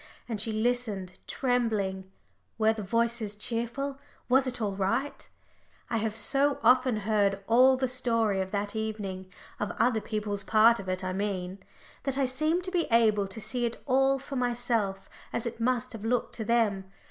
And she listened, trembling. Were the voices cheerful? was it all right? I have so often heard all the story of that evening of other people's part of it, I mean that I seem to be able to see it all for myself as it must have looked to them.